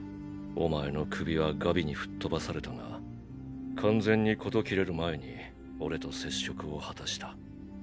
お前の首はガビに吹っ飛ばされたが完全にこと切れる前に俺と接触を果たした。